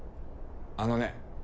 あのね